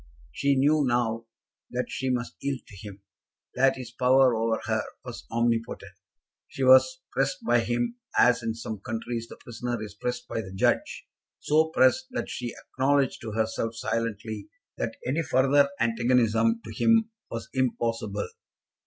She knew now that she must yield to him, that his power over her was omnipotent. She was pressed by him as in some countries the prisoner is pressed by the judge, so pressed that she acknowledged to herself silently that any further antagonism to him was impossible.